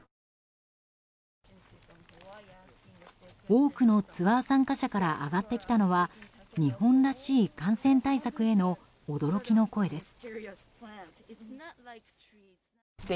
多くのツアー参加者から上がってきたのは日本らしい感染対策への驚きの声です。